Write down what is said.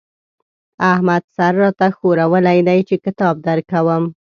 احمد سر را ته ښورولی دی چې کتاب درکوم.